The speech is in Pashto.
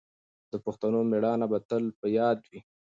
د پښتنو مېړانه به تل په یاد وي.